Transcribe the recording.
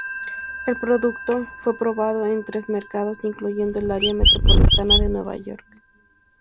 El producto fue probado en tres mercados, incluyendo el área metropolitana de Nueva York.